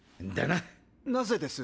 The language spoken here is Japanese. なぜです？